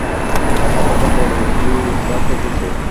আমরা তখন বলি, ও লোকটা খেপেছে।